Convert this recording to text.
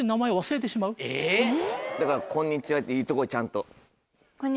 だから「こんにちは」って言っとこうちゃんと。